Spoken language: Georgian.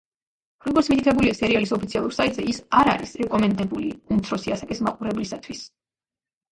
როგორც მითითებულია სერიალის ოფიციალურ საიტზე, ის არ არის რეკომენდებული უმცროსი ასაკის მაყურებლისათვის.